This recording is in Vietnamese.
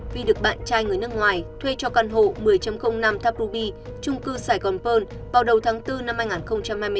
phi được bạn trai người nước ngoài thuê cho căn hộ một mươi năm tháp ruby trung cư saigon pearl vào đầu tháng bốn năm hai nghìn hai mươi bốn